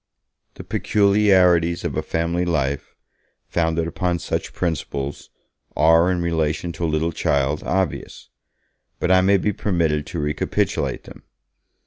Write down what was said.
The peculiarities of a family life, founded upon such principles, are, in relation to a little child, obvious; but I may be permitted to recapitulate them.